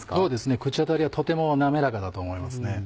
口当たりはとても滑らかだと思いますね。